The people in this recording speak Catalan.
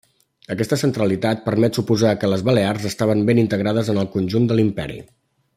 Aquesta centralitat permet suposar que les Balears estaven ben integrades en el conjunt de l'imperi.